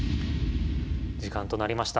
時間となりました。